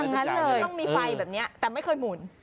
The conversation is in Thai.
ต้องมีไฟแบบนี้แต่ไม่เคยหมุน